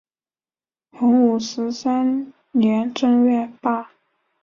洪武十三年正月罢。